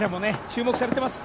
注目されてます